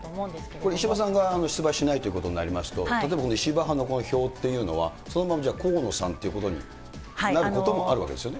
これ、石破さんが出馬しないということになりますと、例えば石破派の票というのは、そのまま、河野さんということになることもあるわけですよね？